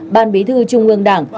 ban bí thư trung ương đảng